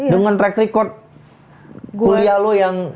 dengan track record kuliah lo yang